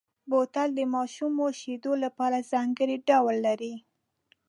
بوتل د ماشومو شیدو لپاره ځانګړی ډول لري.